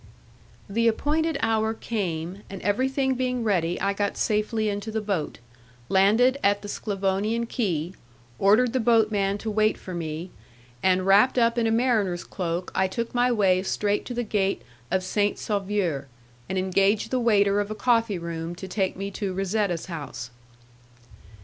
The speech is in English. The appointed hour came, and everything being ready I got safely into the boat, landed at the Sclavonian quay, ordered the boatman to wait for me, and wrapped up in a mariner's cloak I took my way straight to the gate of Saint Sauveur, and engaged the waiter of a coffee room to take me to Razetta's house.